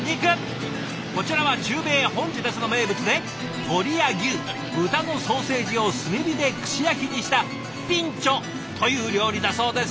こちらは中米ホンジュラスの名物で鶏や牛豚のソーセージを炭火で串焼きにしたピンチョという料理だそうです。